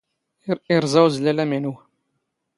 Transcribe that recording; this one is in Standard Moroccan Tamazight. ⵉⵕⵥⴰ ⵓⵣⵍⴰⵍⴰⵎ ⵉⵏⵓ.